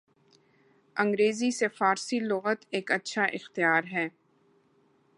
انگریزی سے فارسی لغت ایک اچھا اختیار ہے۔